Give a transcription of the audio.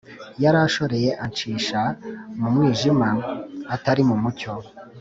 Yaranshoreye ancisha mu mwijima, Atari mu mucyo.